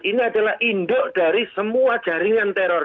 ini adalah induk dari semua jaringan teror